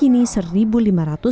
ini adalah strike court